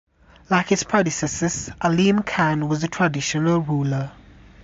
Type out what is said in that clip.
Like his predecessors, Alim Khan was a traditional ruler.